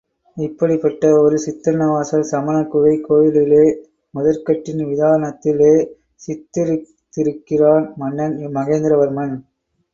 இப்படிப்பட்ட ஒரு சித்தன்ன வாசல் சமணக் குகைக் கோயிலிலே முதற்கட்டின் விதானத்திலே சித்திரித்திருக்கிறான் மன்னன் மகேந்திர வர்மன்.